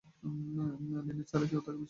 Linate ছাড়া কেউই তাকে বিশ্বাস করে না!